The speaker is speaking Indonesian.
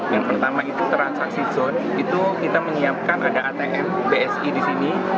yang pertama itu transaksi zone itu kita menyiapkan ada atm bsi di sini